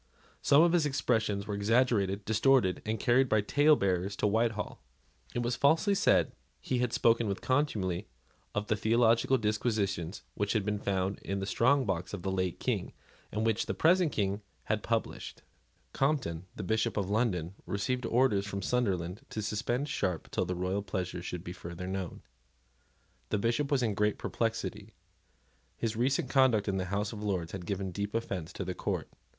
Some of his expressions were exaggerated, distorted, and carried by talebearers to Whitehall. It was falsely said that he had spoken with contumely of the theological disquisitions which had been found in the strong box of the late King, and which the present King had published. Compton, the Bishop of London, received orders from Sunderland to suspend Sharp till the royal pleasure should be further known. The Bishop was in great perplexity. His recent conduct in the House of Lords had given deep offence to the court.